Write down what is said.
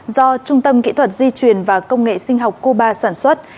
do trung tâm kỹ thuật di truyền và công nghệ sinh học cuba sản xuất